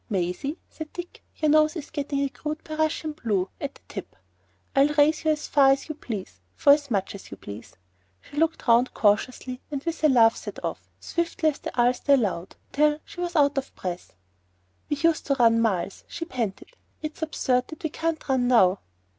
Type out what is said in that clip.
"Maisie," said Dick, "your nose is getting a crude Prussian blue at the tip. I'll race you as far as you please for as much as you please." She looked round cautiously, and with a laugh set off, swiftly as the ulster allowed, till she was out of breath. "We used to run miles," she panted. "It's absurd that we can't run now."